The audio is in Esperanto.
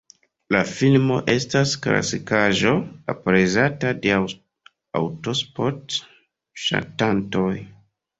La filmo estas klasikaĵo, aprezata de aŭtosport-ŝatantoj.